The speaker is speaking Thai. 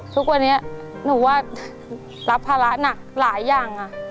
ทุกวันนี้หนูว่ารับภาระหนักหลายอย่าง